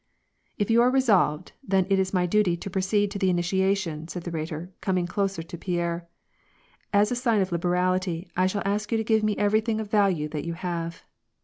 " If you are resolved, then it is my duty to proceed to the initiation," said the Rhetor, coming closer to Pierre. " As a sign of liberality, I shall ask you to give me everything of value that you have."